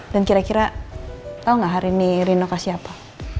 dan kira kira tau gak hari ini rino kasih apa